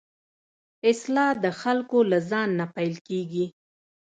اصلاح د خلکو له ځان نه پيل کېږي.